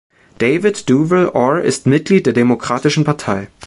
David Duval Orr ist Mitglied der Demokratischen Partei.